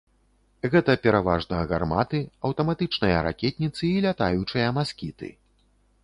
Гэта пераважна гарматы, аўтаматычныя ракетніцы і лятаючыя маскіты.